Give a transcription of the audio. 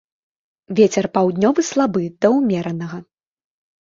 Вецер паўднёвы слабы да ўмеранага.